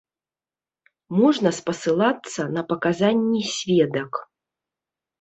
Можна спасылацца на паказанні сведак.